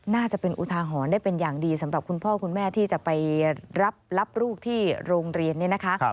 น่าจะเป็นอุทาหรณ์ได้เป็นอย่างดีสำหรับคุณพ่อคุณแม่ที่จะไปรับลูกที่โรงเรียนเนี่ยนะคะ